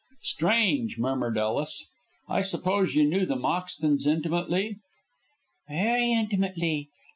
"Strange!" murmured Ellis. "I suppose you knew the Moxtons intimately?" "Very intimately.